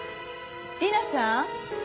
理奈ちゃん。